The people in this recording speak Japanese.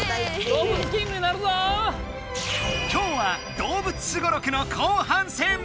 今日は動物スゴロクの後半戦！